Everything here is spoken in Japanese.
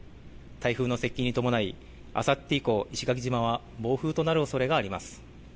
台風の接近に伴い、あさって以降、石垣島は暴風となるおそれがあります。